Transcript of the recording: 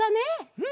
うん！